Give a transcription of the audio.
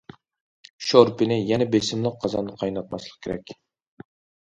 شورپىنى يەنە بېسىملىق قازاندا قايناتماسلىق كېرەك.